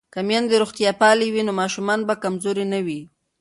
که میندې روغتیا پالې وي نو ماشومان به کمزوري نه وي.